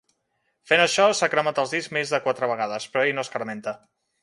Fent això s'ha cremat els dits més de quatre vegades, però ell no escarmenta.